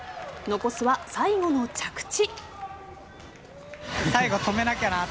残すは最後の着地。